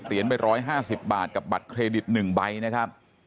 ไป๑๕๐บาทกับบัตรเครดิต๑ใบนะครับ